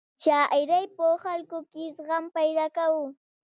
شاعرۍ په خلکو کې زغم پیدا کاوه.